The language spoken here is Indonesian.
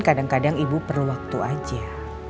kadang kadang ibu perlu waktu aja